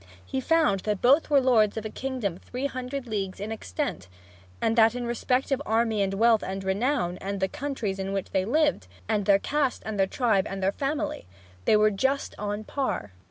And he found that both were lords of a kingdom three hundred leagues in extent; and that in respect of army and wealth and renown, and the countries in which they lived, and their caste and their tribe and their family, they were just on a par!